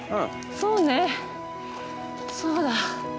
そうねそうだ。